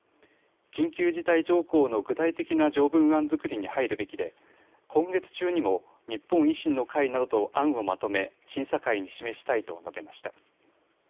緊急事態条項の具体的な条文案作りに入るべきで今月中にも日本維新の会などと案をまとめ、審査会に示したいと述べました。